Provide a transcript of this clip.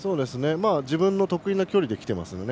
自分の得意な距離できてますね。